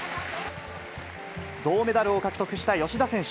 銅メダルを獲得した芳田選手。